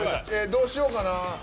どうしようかな。